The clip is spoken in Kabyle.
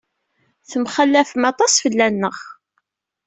Temxallafem aṭas fell-aneɣ.